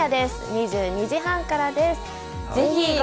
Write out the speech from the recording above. ２２時半からです。